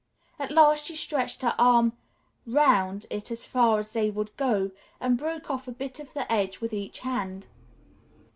At last she stretched her arms 'round it as far as they would go, and broke off a bit of the edge with each hand.